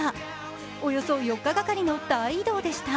およそ４日がかりの大移動でした。